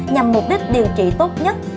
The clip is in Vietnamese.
nhằm mục đích điều trị tốt nhất